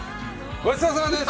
ごちそうさまです！